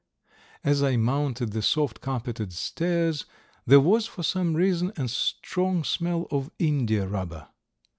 As I mounted the soft carpeted stairs there was, for some reason, a strong smell of india rubber.